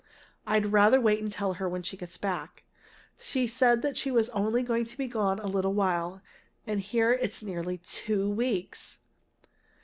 I'd rather wait and tell her when she gets back. She said she was only going to be gone a little while, and here it's nearly two weeks!"